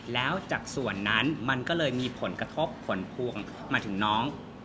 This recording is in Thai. แล้วจากส่วนนั้นมันก็เลยมีผลกระทบผลพวงมาถึงน้อง